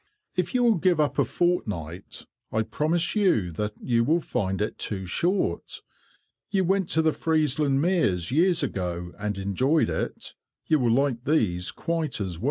"If you will give up a fortnight, I promise you that you will find it too short. You went to the Friesland Meres years ago, and enjoyed it. You will like these quite as well."